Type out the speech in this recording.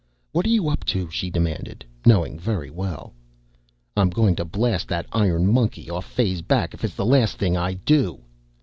"What are you up to?" she demanded, knowing very well. "I'm going to blast that iron monkey off Fay's back if it's the last thing I do!"